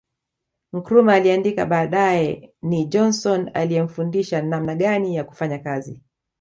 Nkrumah aliandika baadae ni Johnson aliyemfundisha namna gani ya kufanya kazi